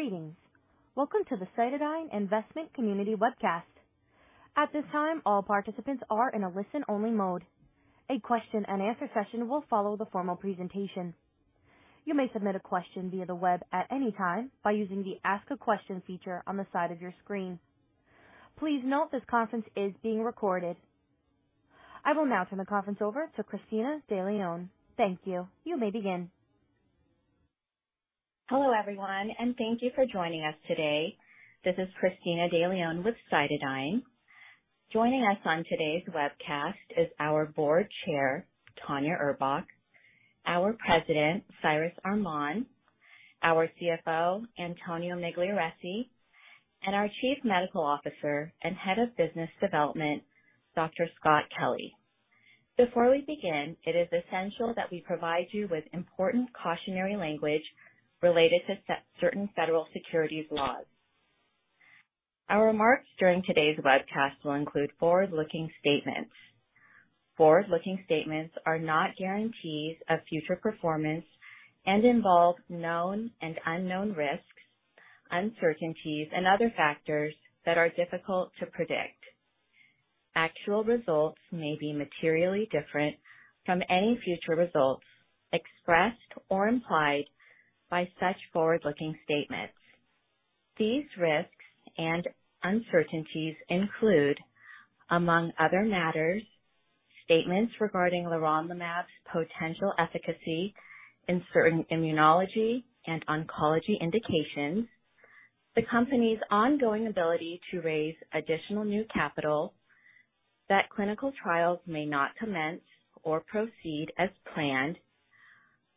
Greetings. Welcome to the CytoDyn investment community webcast. At this time, all participants are in a listen-only mode. A question and answer session will follow the formal presentation. You may submit a question via the web at any time by using the Ask a Question feature on the side of your screen. Please note this conference is being recorded. I will now turn the conference over to Cristina De Leon. Thank you. You may begin. Hello, everyone, and thank you for joining us today. This is Cristina De Leon with CytoDyn. Joining us on today's webcast is our board chair, Tanya Urbach, our president, Cyrus Arman, our CFO, Antonio Migliarese, and our chief medical officer and head of business development, Dr. Scott Kelly. Before we begin, it is essential that we provide you with important cautionary language related to certain federal securities laws. Our remarks during today's webcast will include forward-looking statements. Forward-looking statements are not guarantees of future performance and involve known and unknown risks, uncertainties, and other factors that are difficult to predict. Actual results may be materially different from any future results expressed or implied by such forward-looking statements. These risks and uncertainties include, among other matters, statements regarding leronlimab's potential efficacy in certain immunology and oncology indications, the company's ongoing ability to raise additional new capital that clinical trials may not commence or proceed as planned,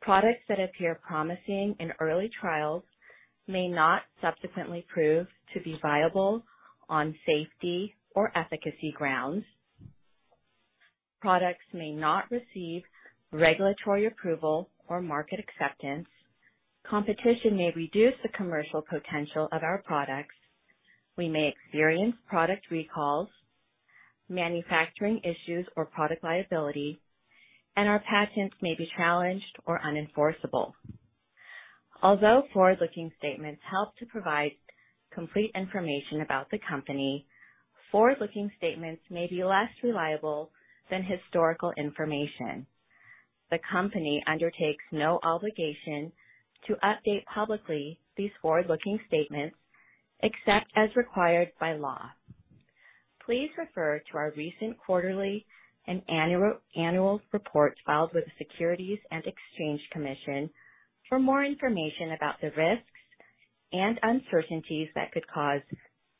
products that appear promising in early trials may not subsequently prove to be viable on safety or efficacy grounds. Products may not receive regulatory approval or market acceptance. Competition may reduce the commercial potential of our products. We may experience product recalls, manufacturing issues, or product liability, and our patents may be challenged or unenforceable. Although forward-looking statements help to provide complete information about the company, forward-looking statements may be less reliable than historical information. The company undertakes no obligation to update publicly these forward-looking statements except as required by law. Please refer to our recent quarterly and annual report filed with the Securities and Exchange Commission for more information about the risks and uncertainties that could cause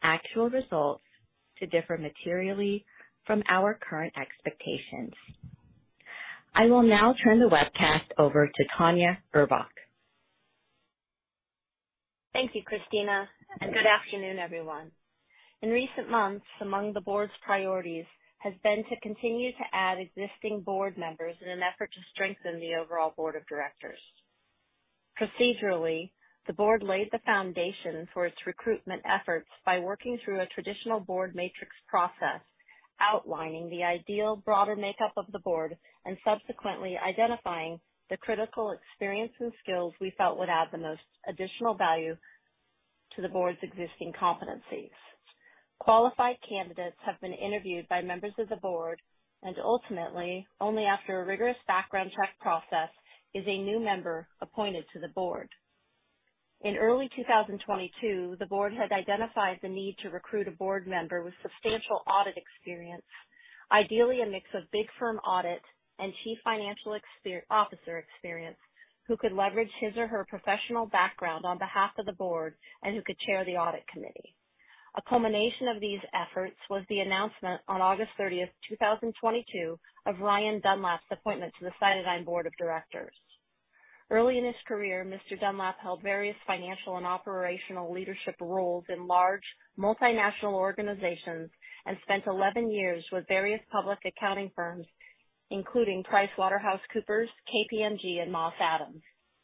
actual results to differ materially from our current expectations. I will now turn the webcast over to Tanya Urbach. Thank you, Cristina, and good afternoon, everyone. In recent months, among the board's priorities has been to continue to add existing board members in an effort to strengthen the overall board of directors. Procedurally, the board laid the foundation for its recruitment efforts by working through a traditional board matrix process, outlining the ideal broader makeup of the board and subsequently identifying the critical experience and skills we felt would add the most additional value to the board's existing competencies. Qualified candidates have been interviewed by members of the board and ultimately, only after a rigorous background check process is a new member appointed to the board. In early 2022, the board had identified the need to recruit a board member with substantial audit experience, ideally a mix of big firm audit and chief financial officer experience, who could leverage his or her professional background on behalf of the board and who could chair the audit committee. A culmination of these efforts was the announcement on August 30, 2022, of Ryan Dunlap's appointment to the CytoDyn board of directors. Early in his career, Mr. Dunlap held various financial and operational leadership roles in large multinational organizations and spent 11 years with various public accounting firms, including PricewaterhouseCoopers, KPMG, and Moss Adams,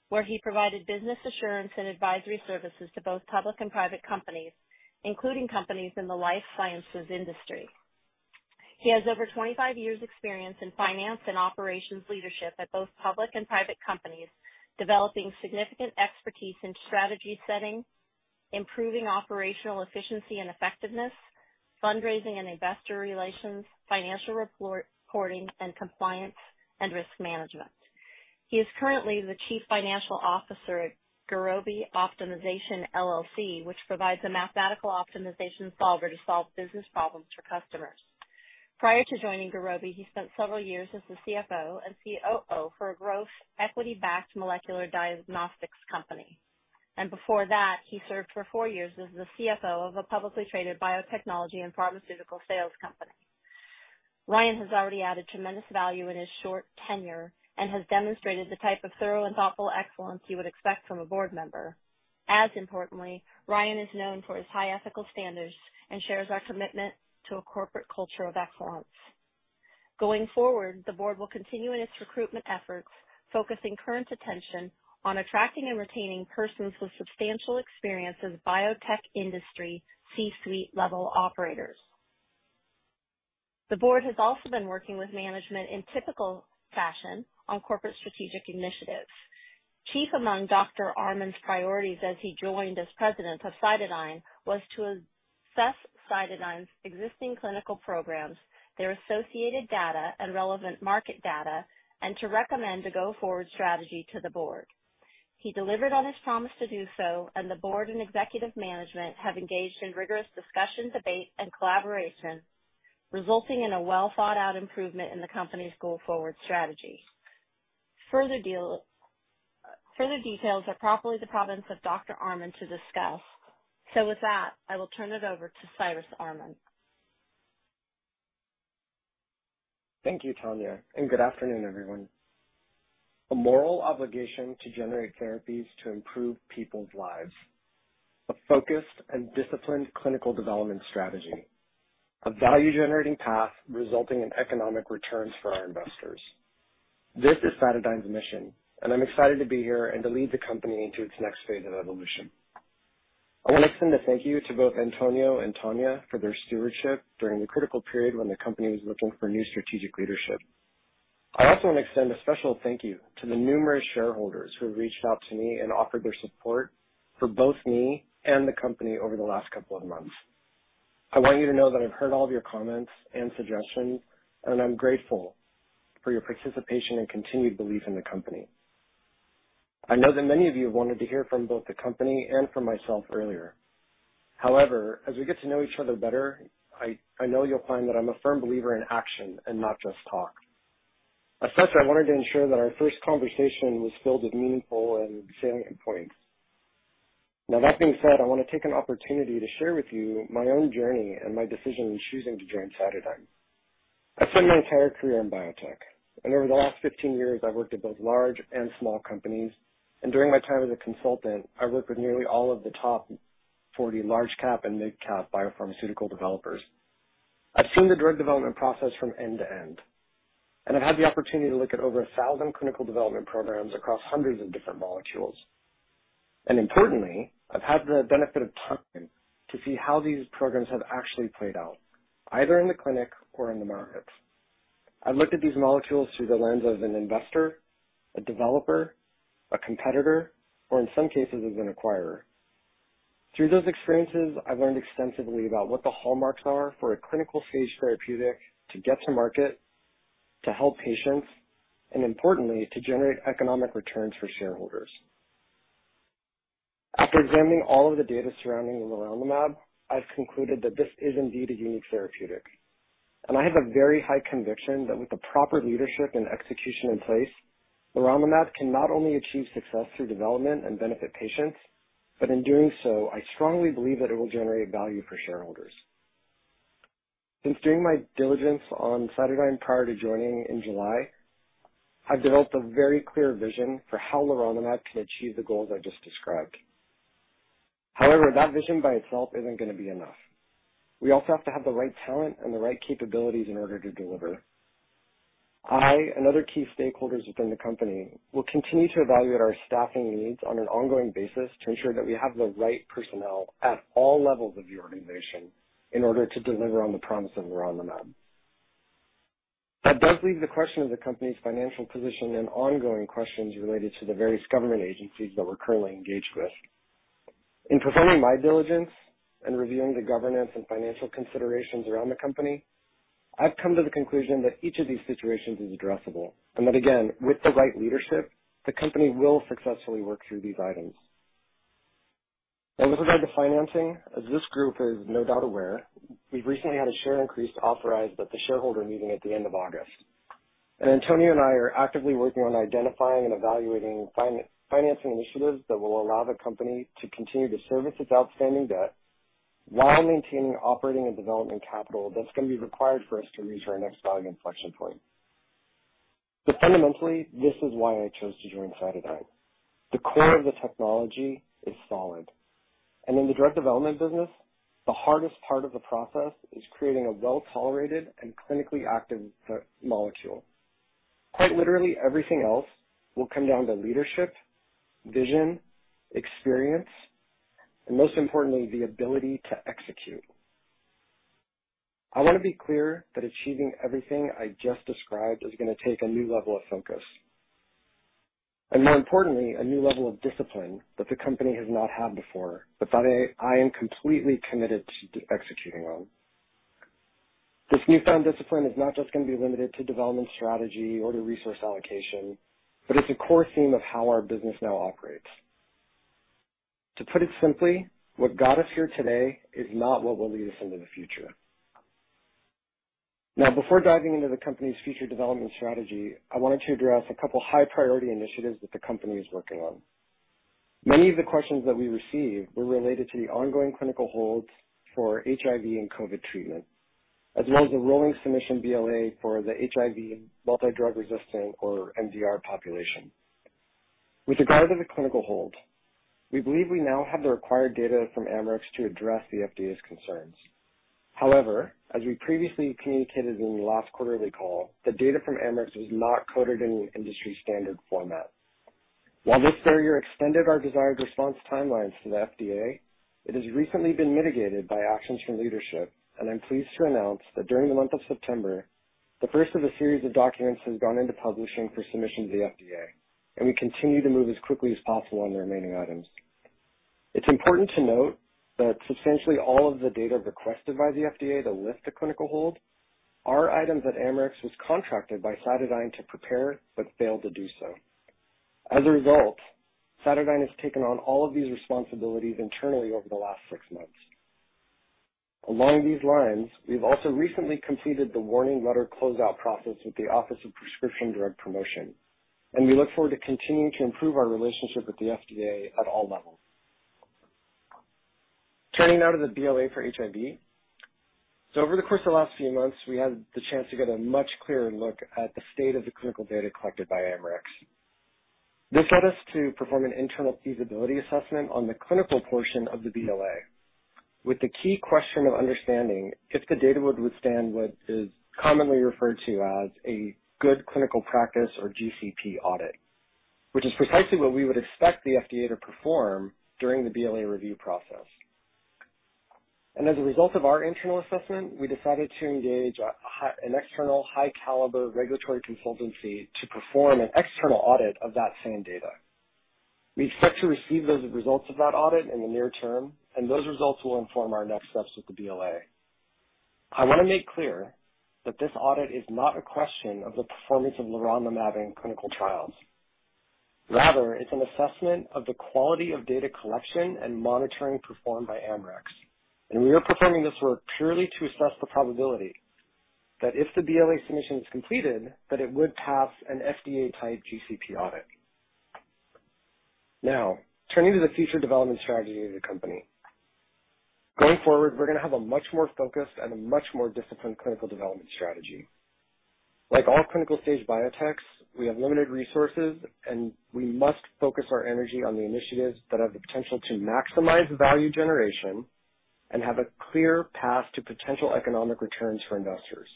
where he provided business assurance and advisory services to both public and private companies, including companies in the life sciences industry. He has over 25 years experience in finance and operations leadership at both public and private companies, developing significant expertise in strategy setting, improving operational efficiency and effectiveness, fundraising and investor relations, financial reporting and compliance, and risk management. He is currently the Chief Financial Officer at Gurobi Optimization LLC, which provides a mathematical optimization solver to solve business problems for customers. Prior to joining Gurobi, he spent several years as the CFO and COO for a growth equity-backed molecular diagnostics company. Before that, he served for 4 years as the CFO of a publicly traded biotechnology and pharmaceutical sales company. Ryan has already added tremendous value in his short tenure and has demonstrated the type of thorough and thoughtful excellence you would expect from a board member. As importantly, Ryan is known for his high ethical standards and shares our commitment to a corporate culture of excellence. Going forward, the board will continue in its recruitment efforts, focusing current attention on attracting and retaining persons with substantial experience as biotech industry C-suite level operators. The board has also been working with management in typical fashion on corporate strategic initiatives. Chief among Dr. Arman's priorities as he joined as president of CytoDyn was to assess CytoDyn's existing clinical programs, their associated data and relevant market data, and to recommend a go forward strategy to the board. He delivered on his promise to do so, and the board and executive management have engaged in rigorous discussion, debate and collaboration, resulting in a well thought out improvement in the company's go forward strategy. Further details are properly the province of Dr. Arman to discuss. With that, I will turn it over to Cyrus Arman. Thank you, Tanya, and good afternoon, everyone. A moral obligation to generate therapies to improve people's lives. A focused and disciplined clinical development strategy. A value generating path resulting in economic returns for our investors. This is CytoDyn's mission, and I'm excited to be here and to lead the company into its next phase of evolution. I wanna send a thank you to both Antonio and Tanya for their stewardship during the critical period when the company was looking for new strategic leadership. I also wanna extend a special thank you to the numerous shareholders who have reached out to me and offered their support for both me and the company over the last couple of months. I want you to know that I've heard all of your comments and suggestions, and I'm grateful for your participation and continued belief in the company. I know that many of you wanted to hear from both the company and from myself earlier. However, as we get to know each other better, I know you'll find that I'm a firm believer in action and not just talk. As such, I wanted to ensure that our first conversation was filled with meaningful and salient points. Now, that being said, I wanna take an opportunity to share with you my own journey and my decision in choosing to join CytoDyn. I've spent my entire career in biotech, and over the last 15 years I've worked at both large and small companies. During my time as a consultant, I worked with nearly all of the top 40 large cap and mid cap biopharmaceutical developers. I've seen the drug development process from end to end, and I've had the opportunity to look at over 1,000 clinical development programs across hundreds of different molecules. Importantly, I've had the benefit of time to see how these programs have actually played out, either in the clinic or in the markets. I've looked at these molecules through the lens of an investor, a developer, a competitor, or in some cases, as an acquirer. Through those experiences, I've learned extensively about what the hallmarks are for a clinical stage therapeutic to get to market, to help patients, and importantly, to generate economic returns for shareholders. After examining all of the data surrounding leronlimab, I've concluded that this is indeed a unique therapeutic, and I have a very high conviction that with the proper leadership and execution in place, leronlimab can not only achieve success through development and benefit patients, but in doing so, I strongly believe that it will generate value for shareholders. Since doing my diligence on CytoDyn prior to joining in July, I've developed a very clear vision for how leronlimab can achieve the goals I just described. However, that vision by itself isn't gonna be enough. We also have to have the right talent and the right capabilities in order to deliver. I and other key stakeholders within the company will continue to evaluate our staffing needs on an ongoing basis to ensure that we have the right personnel at all levels of the organization in order to deliver on the promise of leronlimab. That does leave the question of the company's financial position and ongoing questions related to the various government agencies that we're currently engaged with. In performing my diligence and reviewing the governance and financial considerations around the company, I've come to the conclusion that each of these situations is addressable and that, again, with the right leadership, the company will successfully work through these items. Now, with regard to financing, as this group is no doubt aware, we've recently had a share increase authorized at the shareholder meeting at the end of August. Antonio and I are actively working on identifying and evaluating financing initiatives that will allow the company to continue to service its outstanding debt while maintaining operating and development capital that's gonna be required for us to reach our next value inflection point. Fundamentally, this is why I chose to join CytoDyn. The core of the technology is solid, and in the drug development business, the hardest part of the process is creating a well-tolerated and clinically active, molecule. Quite literally everything else will come down to leadership, vision, experience, and most importantly, the ability to execute. I wanna be clear that achieving everything I just described is gonna take a new level of focus, and more importantly, a new level of discipline that the company has not had before, but that I am completely committed to executing on. This newfound discipline is not just gonna be limited to development strategy or to resource allocation, but it's a core theme of how our business now operates. To put it simply, what got us here today is not what will lead us into the future. Now, before diving into the company's future development strategy, I wanted to address a couple high priority initiatives that the company is working on. Many of the questions that we received were related to the ongoing clinical holds for HIV and COVID treatment, as well as the rolling submission BLA for the HIV multidrug-resistant or MDR population. With regard to the clinical hold, we believe we now have the required data from Amarex to address the FDA's concerns. However, as we previously communicated in the last quarterly call, the data from Amarex was not coded in an industry standard format. While this barrier extended our desired response timelines to the FDA, it has recently been mitigated by actions from leadership. I'm pleased to announce that during the month of September, the first of a series of documents has gone into publishing for submission to the FDA, and we continue to move as quickly as possible on the remaining items. It's important to note that substantially all of the data requested by the FDA to lift the clinical hold are items that Amarex was contracted by CytoDyn to prepare, but failed to do so. As a result, CytoDyn has taken on all of these responsibilities internally over the last six months. Along these lines, we've also recently completed the warning letter closeout process with the Office of Prescription Drug Promotion, and we look forward to continuing to improve our relationship with the FDA at all levels. Turning now to the BLA for HIV. Over the course of the last few months, we had the chance to get a much clearer look at the state of the clinical data collected by Amarex. This led us to perform an internal feasibility assessment on the clinical portion of the BLA, with the key question of understanding if the data would withstand what is commonly referred to as a good clinical practice or GCP audit, which is precisely what we would expect the FDA to perform during the BLA review process. As a result of our internal assessment, we decided to engage an external high caliber regulatory consultancy to perform an external audit of that same data. We expect to receive those results of that audit in the near term, and those results will inform our next steps with the BLA. I wanna make clear that this audit is not a question of the performance of leronlimab in clinical trials. Rather, it's an assessment of the quality of data collection and monitoring performed by Amarex. We are performing this work purely to assess the probability that if the BLA submission is completed, that it would pass an FDA-type GCP audit. Now, turning to the future development strategy of the company. Going forward, we're gonna have a much more focused and a much more disciplined clinical development strategy. Like all clinical stage biotechs, we have limited resources, and we must focus our energy on the initiatives that have the potential to maximize value generation and have a clear path to potential economic returns for investors.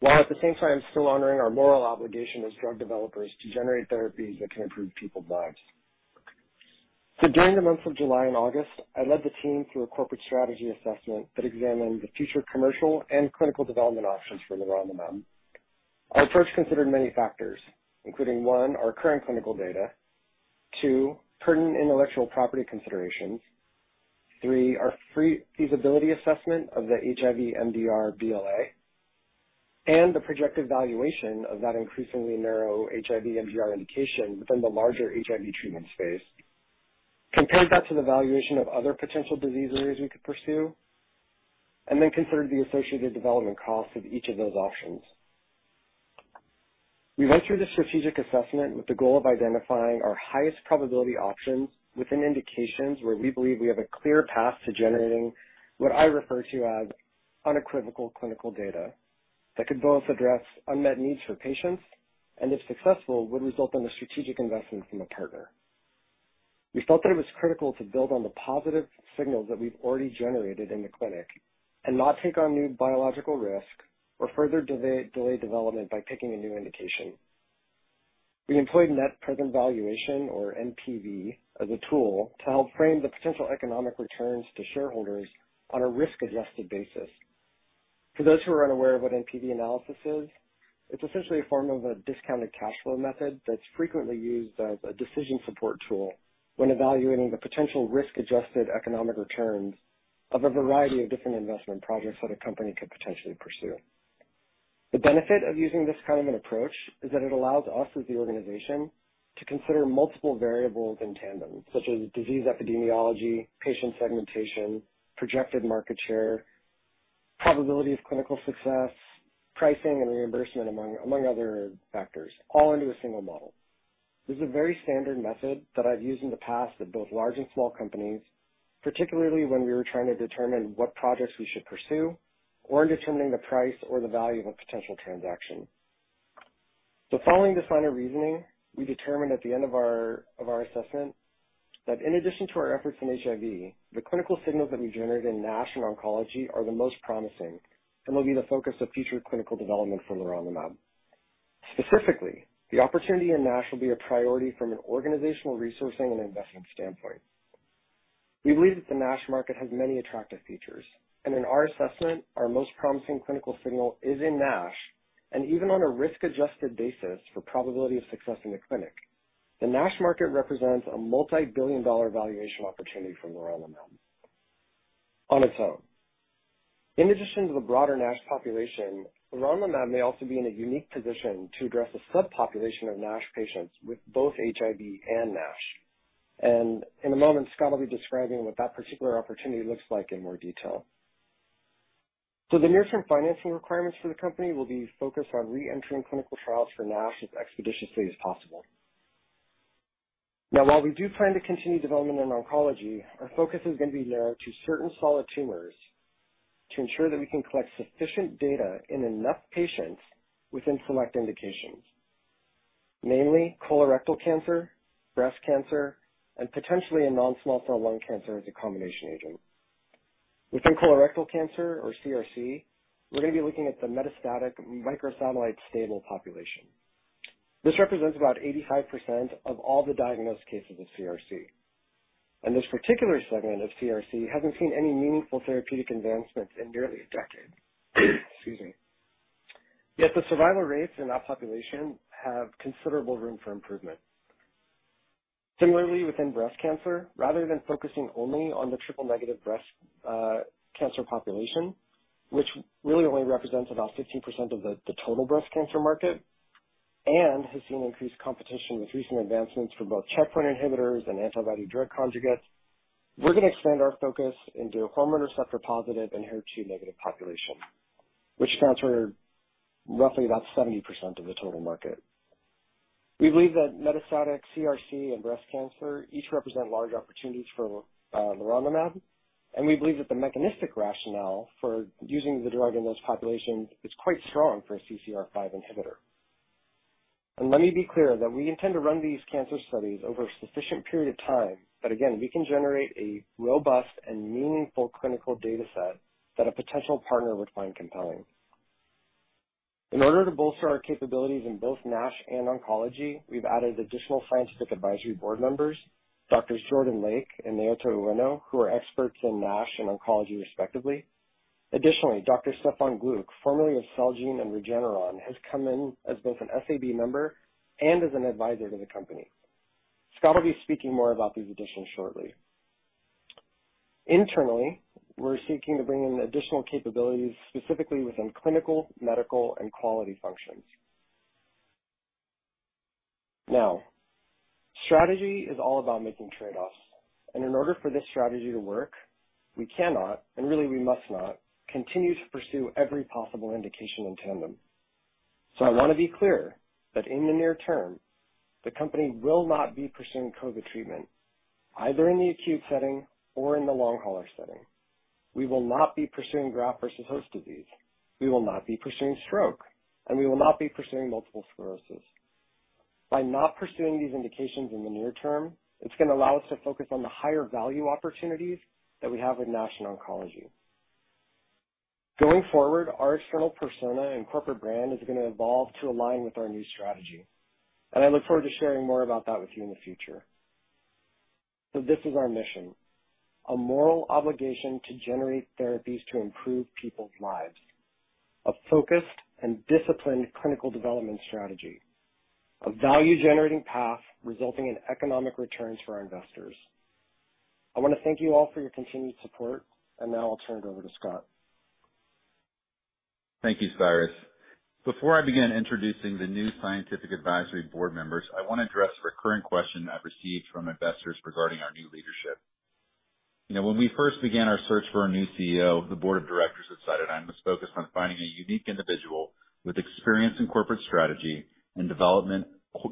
While at the same time still honoring our moral obligation as drug developers to generate therapies that can improve people's lives. During the months of July and August, I led the team through a corporate strategy assessment that examined the future commercial and clinical development options for leronlimab. Our approach considered many factors, including, one, our current clinical data. Two, pertinent intellectual property considerations. Three, our pre-feasibility assessment of the HIV MDR BLA, and the projected valuation of that increasingly narrow HIV MDR indication within the larger HIV treatment space. Compared that to the valuation of other potential disease areas we could pursue, and then considered the associated development cost of each of those options. We went through the strategic assessment with the goal of identifying our highest probability options within indications where we believe we have a clear path to generating what I refer to as unequivocal clinical data that could both address unmet needs for patients, and if successful, would result in a strategic investment from a partner. We felt that it was critical to build on the positive signals that we've already generated in the clinic and not take on new biological risk or further delay development by picking a new indication. We employed net present valuation, or NPV, as a tool to help frame the potential economic returns to shareholders on a risk-adjusted basis. For those who are unaware of what NPV analysis is, it's essentially a form of a discounted cash flow method that's frequently used as a decision support tool when evaluating the potential risk-adjusted economic returns of a variety of different investment projects that a company could potentially pursue. The benefit of using this kind of an approach is that it allows us as the organization to consider multiple variables in tandem, such as disease epidemiology, patient segmentation, projected market share, probability of clinical success, pricing and reimbursement among other factors, all into a single model. This is a very standard method that I've used in the past at both large and small companies, particularly when we were trying to determine what projects we should pursue or in determining the price or the value of a potential transaction. Following this line of reasoning, we determined at the end of our assessment that in addition to our efforts in HIV, the clinical signals that we generated in NASH and oncology are the most promising and will be the focus of future clinical development for leronlimab. Specifically, the opportunity in NASH will be a priority from an organizational resourcing and investment standpoint. We believe that the NASH market has many attractive features, and in our assessment, our most promising clinical signal is in NASH. Even on a risk-adjusted basis for probability of success in the clinic, the NASH market represents a multi-billion dollar valuation opportunity for leronlimab on its own. In addition to the broader NASH population, leronlimab may also be in a unique position to address a subpopulation of NASH patients with both HIV and NASH. In a moment, Scott will be describing what that particular opportunity looks like in more detail. The near-term financing requirements for the company will be focused on re-entering clinical trials for NASH as expeditiously as possible. Now, while we do plan to continue development in oncology, our focus is gonna be narrowed to certain solid tumors to ensure that we can collect sufficient data in enough patients within select indications, mainly colorectal cancer, breast cancer and potentially in non-small cell lung cancer as a combination agent. Within colorectal cancer or CRC, we're gonna be looking at the metastatic microsatellite stable population. This represents about 85% of all the diagnosed cases of CRC. This particular segment of CRC hasn't seen any meaningful therapeutic advancements in nearly a decade. Excuse me. Yet the survival rates in our population have considerable room for improvement. Similarly, within breast cancer, rather than focusing only on the triple-negative breast cancer population, which really only represents about 15% of the total breast cancer market and has seen increased competition with recent advancements for both checkpoint inhibitors and antibody drug conjugates, we're gonna expand our focus into hormone receptor-positive and HER2 negative population, which transfer roughly about 70% of the total market. We believe that metastatic CRC and breast cancer each represent large opportunities for leronlimab, and we believe that the mechanistic rationale for using the drug in those populations is quite strong for a CCR5 inhibitor. Let me be clear that we intend to run these cancer studies over a sufficient period of time that again, we can generate a robust and meaningful clinical data set that a potential partner would find compelling. In order to bolster our capabilities in both NASH and oncology, we've added additional scientific advisory board members, Doctors Jordan Lake and Naoto Ueno, who are experts in NASH and oncology respectively. Additionally, Dr. Stefan Glück, formerly of Celgene and Regeneron, has come in as both an SAB member and as an advisor to the company. Scott will be speaking more about these additions shortly. Internally, we're seeking to bring in additional capabilities, specifically within clinical, medical, and quality functions. Now, strategy is all about making trade-offs, and in order for this strategy to work, we cannot, and really we must not, continue to pursue every possible indication in tandem. I wanna be clear that in the near term, the company will not be pursuing COVID treatment, either in the acute setting or in the long hauler setting. We will not be pursuing graft versus host disease. We will not be pursuing stroke, and we will not be pursuing multiple sclerosis. By not pursuing these indications in the near term, it's gonna allow us to focus on the higher value opportunities that we have with NASH and oncology. Going forward, our external persona and corporate brand is gonna evolve to align with our new strategy, and I look forward to sharing more about that with you in the future. This is our mission, a moral obligation to generate therapies to improve people's lives. A focused and disciplined clinical development strategy. A value-generating path resulting in economic returns for our investors. I wanna thank you all for your continued support, and now I'll turn it over to Scott. Thank you, Cyrus Arman. Before I begin introducing the new scientific advisory board members, I wanna address a recurring question I've received from investors regarding our new leadership. You know, when we first began our search for a new CEO, the board of directors at CytoDyn was focused on finding a unique individual with experience in corporate strategy and development,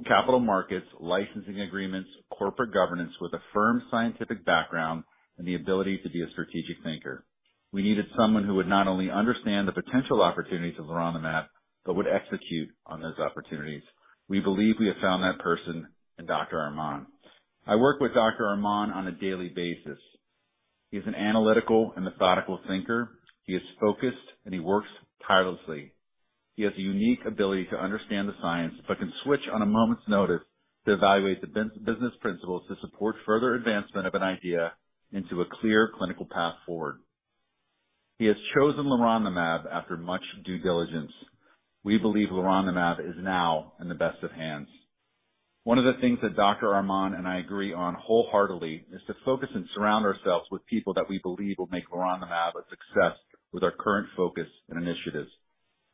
capital markets, licensing agreements, corporate governance with a firm scientific background, and the ability to be a strategic thinker. We needed someone who would not only understand the potential opportunities of leronlimab, but would execute on those opportunities. We believe we have found that person in Dr. Arman. I work with Dr. Arman on a daily basis. He's an analytical and methodical thinker. He is focused, and he works tirelessly. He has a unique ability to understand the science, but can switch on a moment's notice to evaluate the business principles to support further advancement of an idea into a clear clinical path forward. He has chosen leronlimab after much due diligence. We believe leronlimab is now in the best of hands. One of the things that Dr. Arman and I agree on wholeheartedly is to focus and surround ourselves with people that we believe will make leronlimab a success with our current focus and initiatives.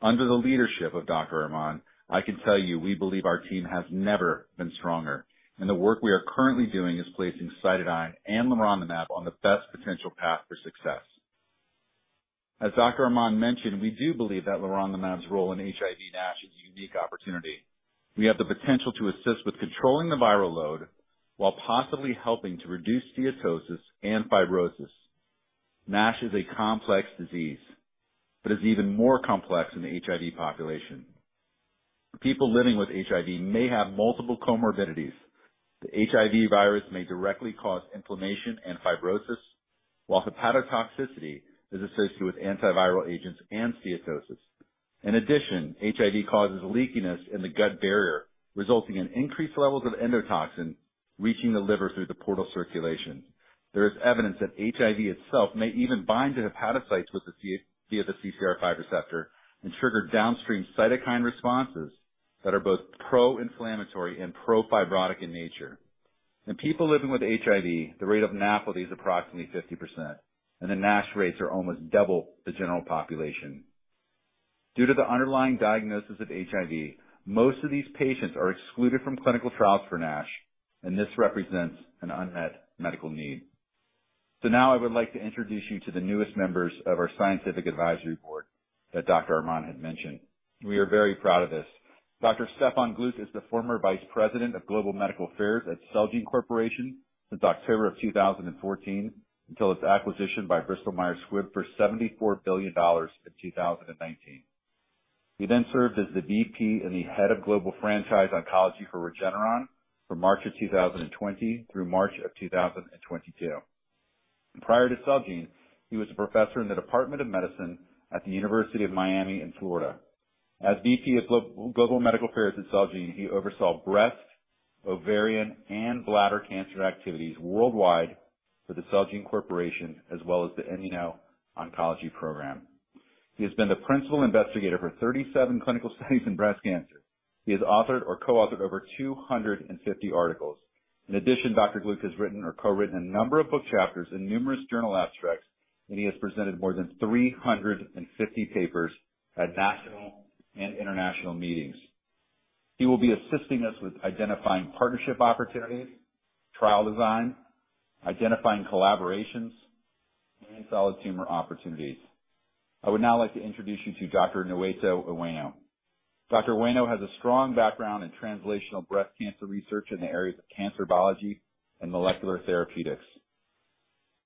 Under the leadership of Dr. Arman, I can tell you we believe our team has never been stronger, and the work we are currently doing is placing CytoDyn and leronlimab on the best potential path for success. As Dr. Arman mentioned, we do believe that leronlimab's role in HIV NASH is a unique opportunity. We have the potential to assist with controlling the viral load while possibly helping to reduce steatosis and fibrosis. NASH is a complex disease, but it's even more complex in the HIV population. People living with HIV may have multiple comorbidities. The HIV virus may directly cause inflammation and fibrosis, while hepatotoxicity is associated with antiviral agents and steatosis. In addition, HIV causes leakiness in the gut barrier, resulting in increased levels of endotoxin reaching the liver through the portal circulation. There is evidence that HIV itself may even bind to hepatocytes with the CCR5 via the CCR5 receptor and trigger downstream cytokine responses that are both pro-inflammatory and pro-fibrotic in nature. In people living with HIV, the rate of NAFLD is approximately 50%, and the NASH rates are almost double the general population. Due to the underlying diagnosis of HIV, most of these patients are excluded from clinical trials for NASH, and this represents an unmet medical need. Now I would like to introduce you to the newest members of our scientific advisory board that Dr. Arman had mentioned. We are very proud of this. Dr. Stefan Glück is the former Vice President of Global Medical Affairs at Celgene Corporation since October 2014 until its acquisition by Bristol-Myers Squibb for $74 billion in 2019. He then served as the VP and the Head of Global Franchise Oncology for Regeneron from March 2020 through March 2022. Prior to Celgene, he was a professor in the Department of Medicine at the University of Miami in Florida. As VP of Global Medical Affairs at Celgene, he oversaw breast, ovarian, and bladder cancer activities worldwide for the Celgene Corporation as well as the Immuno-Oncology Program. He has been the principal investigator for 37 clinical studies in breast cancer. He has authored or co-authored over 250 articles. In addition, Dr. Glück has written or co-written a number of book chapters and numerous journal abstracts, and he has presented more than 350 papers at national and international meetings. He will be assisting us with identifying partnership opportunities, trial design, identifying collaborations, and solid tumor opportunities. I would now like to introduce you to Dr. Naoto Ueno. Dr. Naoto Ueno has a strong background in translational breast cancer research in the areas of cancer biology and molecular therapeutics.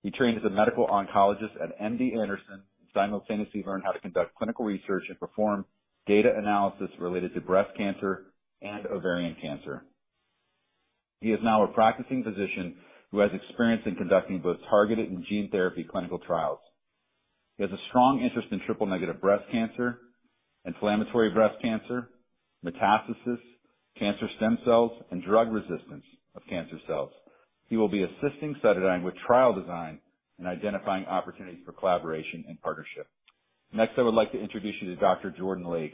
He trained as a medical oncologist at MD Anderson and simultaneously learned how to conduct clinical research and perform data analysis related to breast cancer and ovarian cancer. He is now a practicing physician who has experience in conducting both targeted and gene therapy clinical trials. He has a strong interest in triple-negative breast cancer, inflammatory breast cancer, metastasis, cancer stem cells, and drug resistance of cancer cells. He will be assisting CytoDyn with trial design and identifying opportunities for collaboration and partnership. Next, I would like to introduce you to Dr. Jordan Lake.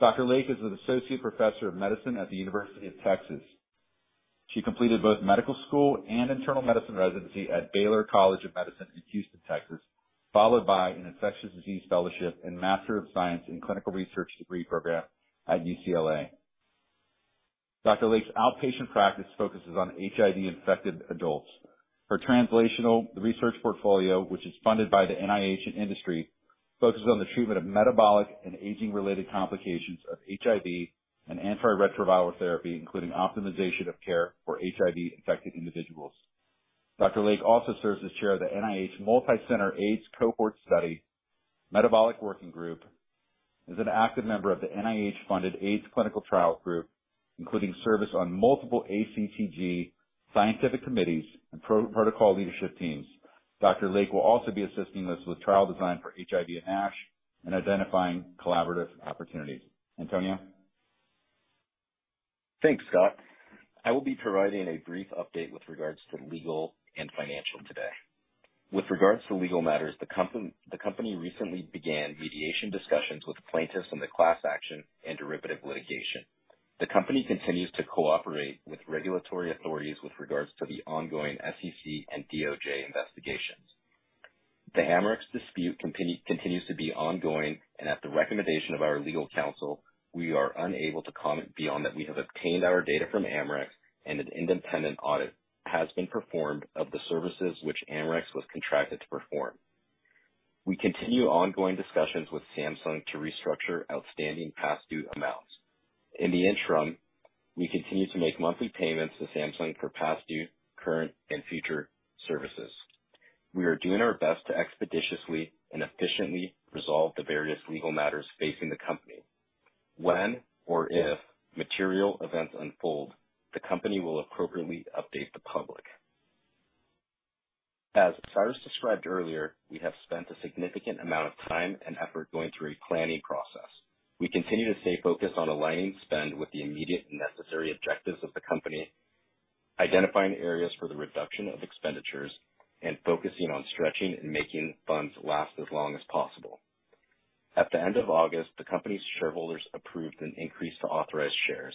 Dr. Lake is an Associate Professor of Medicine at UTHealth Houston. She completed both medical school and internal medicine residency at Baylor College of Medicine in Houston, Texas, followed by an infectious disease fellowship and Master of Science in Clinical Research degree program at UCLA. Dr. Lake's outpatient practice focuses on HIV-infected adults. Her translational research portfolio, which is funded by the NIH and industry, focuses on the treatment of metabolic and aging-related complications of HIV and antiretroviral therapy, including optimization of care for HIV-infected individuals. Dr. Lake also serves as chair of the NIH Multicenter AIDS Cohort Study Metabolic Working Group, is an active member of the NIH-funded AIDS Clinical Trials Group, including service on multiple ACTG scientific committees and protocol leadership teams. Dr. Lake will also be assisting us with trial design for HIV and NASH and identifying collaborative opportunities. Antonio. Thanks, Scott. I will be providing a brief update with regards to legal and financial today. With regards to legal matters, the company recently began mediation discussions with plaintiffs on the class action and derivative litigation. The company continues to cooperate with regulatory authorities with regards to the ongoing SEC and DOJ investigations. The Amarex dispute continues to be ongoing and at the recommendation of our legal counsel, we are unable to comment beyond that we have obtained our data from Amarex and an independent audit has been performed of the services which Amarex was contracted to perform. We continue ongoing discussions with Samsung to restructure outstanding past due amounts. In the interim, we continue to make monthly payments to Samsung for past due, current, and future services. We are doing our best to expeditiously and efficiently resolve the various legal matters facing the company. When or if material events unfold, the company will appropriately update the public. As Cyrus described earlier, we have spent a significant amount of time and effort going through a planning process. We continue to stay focused on aligning spend with the immediate necessary objectives of the company, identifying areas for the reduction of expenditures, and focusing on stretching and making funds last as long as possible. At the end of August, the company's shareholders approved an increase to authorized shares.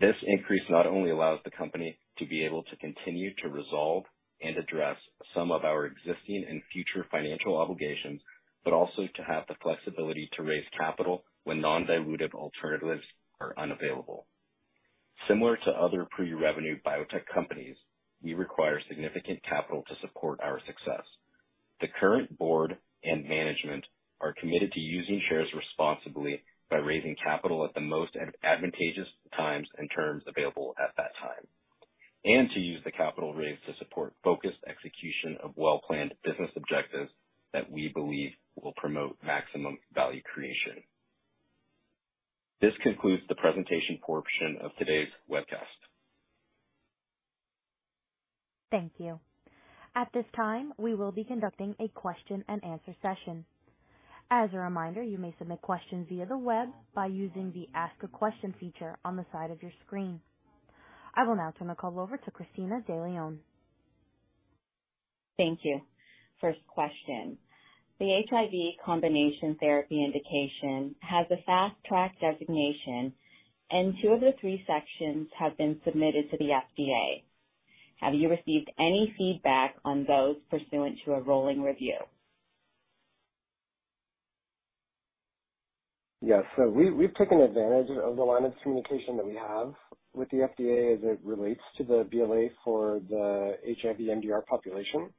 This increase not only allows the company to be able to continue to resolve and address some of our existing and future financial obligations, but also to have the flexibility to raise capital when non-dilutive alternatives are unavailable. Similar to other pre-revenue biotech companies, we require significant capital to support our success. The current board and management are committed to using shares responsibly by raising capital at the most advantageous times and terms available at that time, and to use the capital raised to support focused execution of well-planned business objectives that we believe will promote maximum value creation. This concludes the presentation portion of today's webcast. Thank you. At this time, we will be conducting a question and answer session. As a reminder, you may submit questions via the web by using the Ask a Question feature on the side of your screen. I will now turn the call over to Cristina De Leon. Thank you. First question, the HIV combination therapy indication has a Fast Track designation and two of the three sections have been submitted to the FDA. Have you received any feedback on those pursuant to a rolling review? Yes. We've taken advantage of the line of communication that we have with the FDA as it relates to the BLA for the HIV MDR population.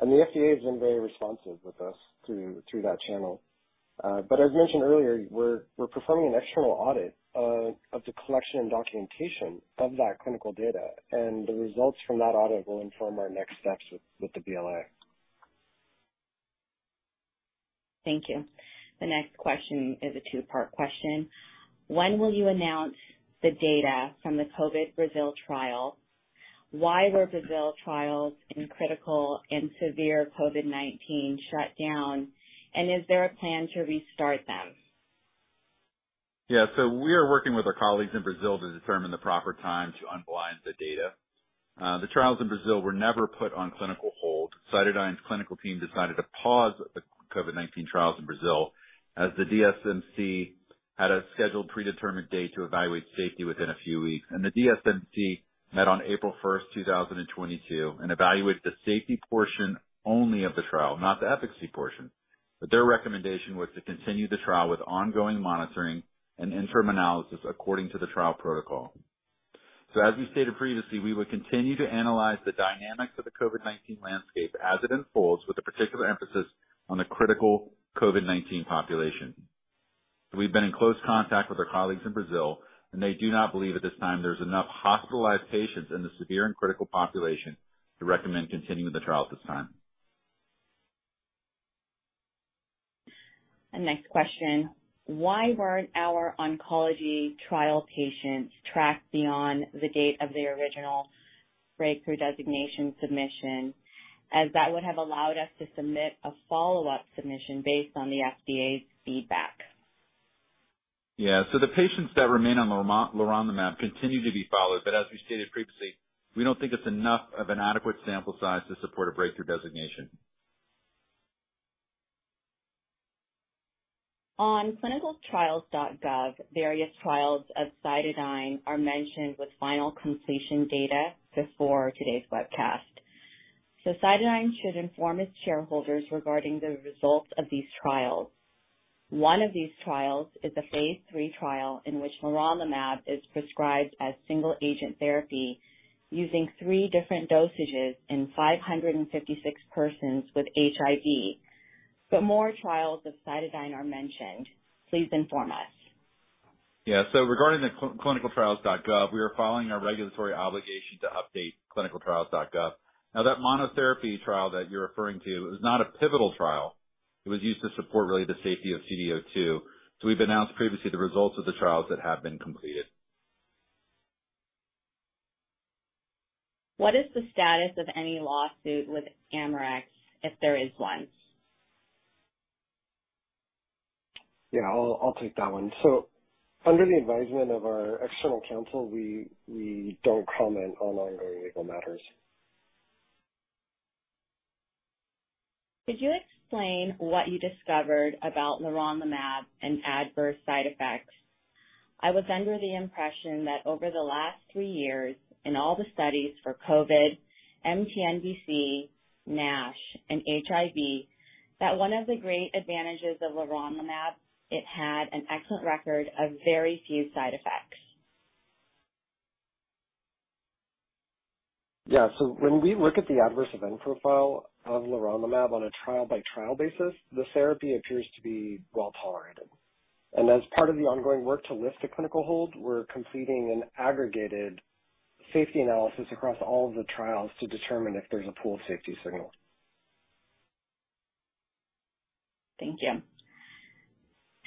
The FDA has been very responsive with us through that channel. As mentioned earlier, we're performing an external audit of the collection and documentation of that clinical data. The results from that audit will inform our next steps with the BLA. Thank you. The next question is a two-part question. When will you announce the data from the COVID Brazil trial? Why were Brazil trials in critical and severe COVID-19 shut down and is there a plan to restart them? Yeah. We are working with our colleagues in Brazil to determine the proper time to unblind the data. The trials in Brazil were never put on clinical hold. CytoDyn's clinical team decided to pause the COVID-19 trials in Brazil as the DSMC had a scheduled predetermined date to evaluate safety within a few weeks. The DSMC met on April 1, 2022, and evaluated the safety portion only of the trial, not the efficacy portion. Their recommendation was to continue the trial with ongoing monitoring and interim analysis according to the trial protocol. We will continue to analyze the dynamics of the COVID-19 landscape as it unfolds with a particular emphasis on the critical COVID-19 population. We've been in close contact with our colleagues in Brazil, and they do not believe at this time there's enough hospitalized patients in the severe and critical population to recommend continuing the trial at this time. Next question, why weren't our oncology trial patients tracked beyond the date of their original breakthrough designation submission, as that would have allowed us to submit a follow-up submission based on the FDA's feedback? Yeah. The patients that remain on leronlimab continue to be followed, but as we stated previously, we don't think it's enough of an adequate sample size to support a breakthrough designation. On ClinicalTrials.gov, various trials of CytoDyn are mentioned with final completion data before today's webcast. CytoDyn should inform its shareholders regarding the results of these trials. One of these trials is a phase III trial in which leronlimab is prescribed as single agent therapy using 3 different dosages in 556 persons with HIV. More trials of CytoDyn are mentioned. Please inform us. Yeah. Regarding the ClinicalTrials.gov, we are following our regulatory obligation to update ClinicalTrials.gov. Now, that monotherapy trial that you're referring to is not a pivotal trial. It was used to support really the safety of CD02. We've announced previously the results of the trials that have been completed. What is the status of any lawsuit with Amarex, if there is one? Yeah, I'll take that one. Under the advisement of our external counsel, we don't comment on ongoing legal matters. Could you explain what you discovered about leronlimab and adverse side effects? I was under the impression that over the last three years in all the studies for COVID, mTNBC, NASH, and HIV, that one of the great advantages of leronlimab, it had an excellent record of very few side effects. Yeah. When we look at the adverse event profile of leronlimab on a trial by trial basis, the therapy appears to be well-tolerated. As part of the ongoing work to lift the clinical hold, we're completing an aggregated safety analysis across all of the trials to determine if there's a pool safety signal. Thank you.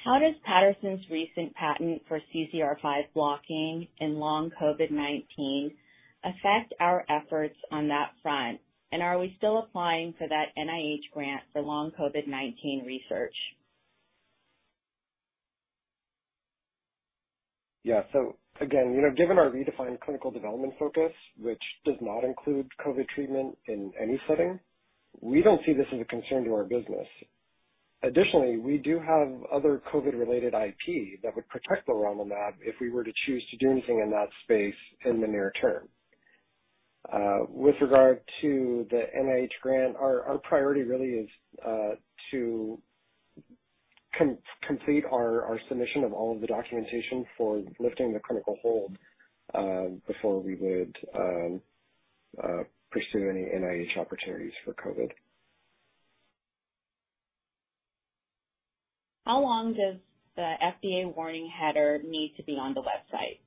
How does Patterson's recent patent for CCR5 blocking in long COVID-19 affect our efforts on that front? Are we still applying for that NIH grant for long COVID-19 research? Yeah. Again, you know, given our redefined clinical development focus, which does not include COVID treatment in any setting, we don't see this as a concern to our business. Additionally, we do have other COVID-related IP that would protect leronlimab if we were to choose to do anything in that space in the near term. With regard to the NIH grant, our priority really is to complete our submission of all of the documentation for lifting the clinical hold before we would pursue any NIH opportunities for COVID. How long does the FDA warning header need to be on the website?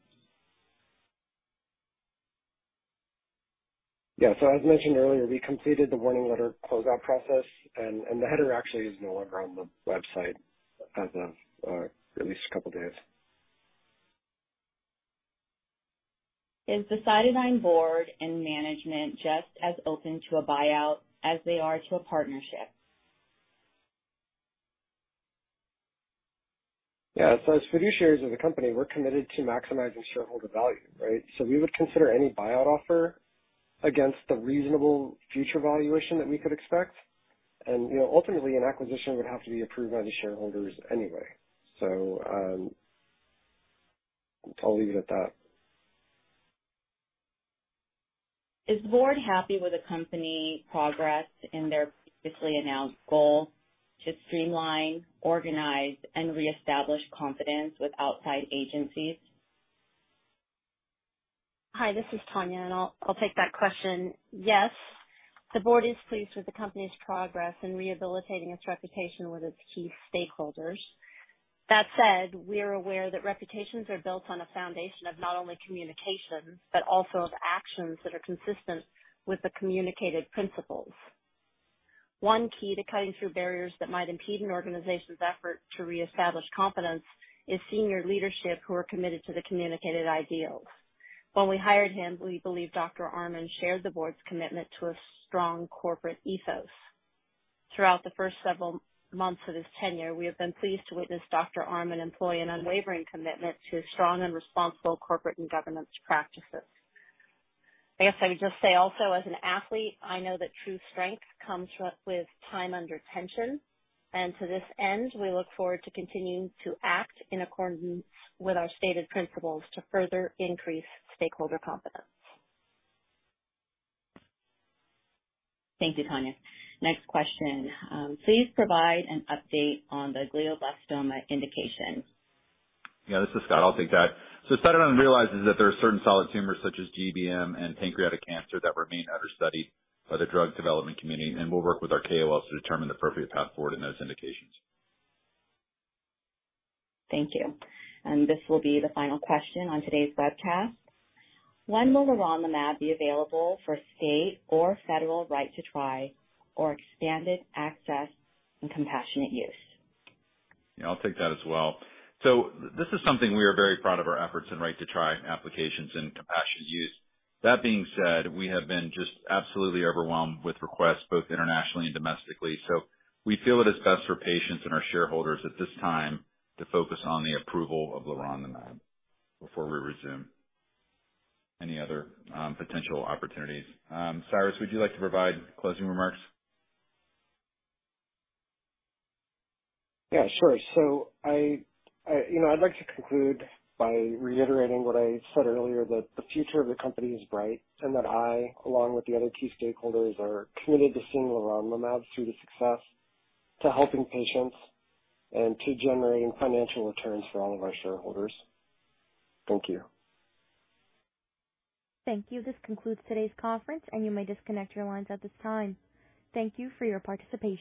Yeah. As mentioned earlier, we completed the warning letter closeout process and the header actually is no longer on the website as of at least a couple days. Is the CytoDyn board and management just as open to a buyout as they are to a partnership? Yeah. As fiduciaries of the company, we're committed to maximizing shareholder value, right? We would consider any buyout offer against the reasonable future valuation that we could expect. You know, ultimately, an acquisition would have to be approved by the shareholders anyway. I'll leave it at that. Is the board happy with the company progress in their previously announced goal to streamline, organize, and reestablish confidence with outside agencies? Hi, this is Tanya. I'll take that question. Yes, the board is pleased with the company's progress in rehabilitating its reputation with its key stakeholders. That said, we are aware that reputations are built on a foundation of not only communication, but also of actions that are consistent with the communicated principles. One key to cutting through barriers that might impede an organization's effort to reestablish confidence is senior leadership who are committed to the communicated ideals. When we hired him, we believe Dr. Arman shared the board's commitment to a strong corporate ethos. Throughout the first several months of his tenure, we have been pleased to witness Dr. Arman employ an unwavering commitment to strong and responsible corporate and governance practices. I guess I would just say also, as an athlete, I know that true strength comes from with time under tension. To this end, we look forward to continuing to act in accordance with our stated principles to further increase stakeholder confidence. Thank you, Tanya. Next question. Please provide an update on the glioblastoma indication. Yeah, this is Scott. I'll take that. CytoDyn realizes that there are certain solid tumors such as GBM and pancreatic cancer that remain understudied by the drug development community, and we'll work with our KOLs to determine the appropriate path forward in those indications. Thank you. This will be the final question on today's webcast. When will leronlimab be available for state or federal Right to Try or expanded access and compassionate use? Yeah, I'll take that as well. This is something we are very proud of our efforts in Right to Try applications and compassionate use. That being said, we have been just absolutely overwhelmed with requests both internationally and domestically. We feel it is best for patients and our shareholders at this time to focus on the approval of leronlimab before we resume any other potential opportunities. Cyrus, would you like to provide closing remarks? Yeah, sure. I, you know, I'd like to conclude by reiterating what I said earlier, that the future of the company is bright, and that I, along with the other key stakeholders, are committed to seeing leronlimab through to success, to helping patients, and to generating financial returns for all of our shareholders. Thank you. Thank you. This concludes today's conference, and you may disconnect your lines at this time. Thank you for your participation.